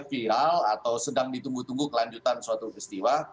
viral atau sedang ditunggu tunggu kelanjutan suatu peristiwa